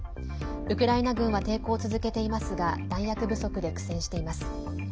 ウクライナ軍は抵抗を続けていますが弾薬不足で苦戦しています。